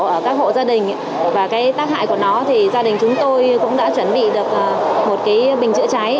ở các hộ gia đình và tác hại của nó gia đình chúng tôi cũng đã chuẩn bị được một bình chữa cháy